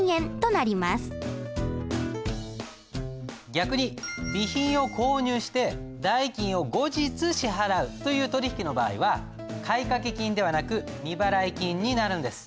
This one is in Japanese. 逆に備品を購入して代金を後日支払うという取引の場合は買掛金ではなく未払金になるんです。